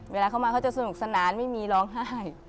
เวลาเขามาเขาจะสนุกสนานไม่มีร้องไห้